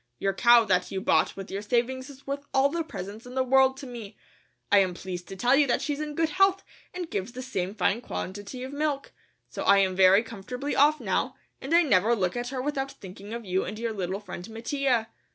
Your cow that you bought with your savings is worth all the presents in the world to me. I am pleased to tell you that she's in good health and gives the same fine quantity of milk, so I am very comfortably off now, and I never look at her without thinking of you and your little friend Mattia.